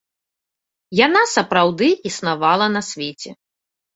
Яна сапраўды існавала на свеце.